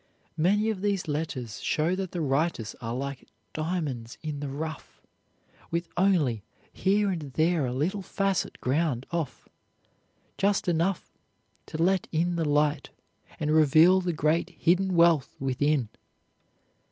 Many of these letters show that the writers are like diamonds in the rough, with only here and there a little facet ground off, just enough to let in the light and reveal the great hidden wealth within.